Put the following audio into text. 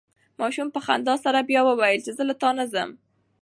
ماشوم په خندا سره بیا وویل چې زه له تا نه ځم.